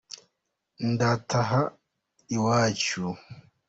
ndataha iwacu.